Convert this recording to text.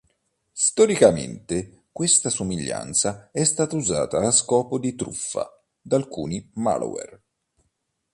Storicamente, questa somiglianza è stata usata a scopo di truffa da alcuni malware.